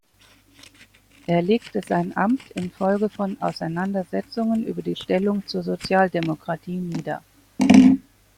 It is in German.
Er legte sein Amt infolge von Auseinandersetzungen über die Stellung zur Sozialdemokratie nieder.